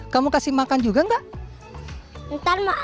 kamu kasih makan juga enggak